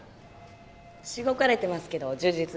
しごかれてますけど充実してます。